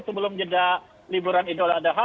sebelum jeda liburan idola daha